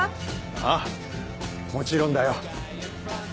ああもちろんだよ！